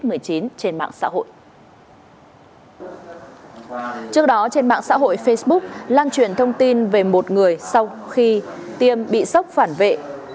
trước đó trên mạng xã hội facebook lan truyền thông tin về một người sau khi tiêm bị sốc phản vệ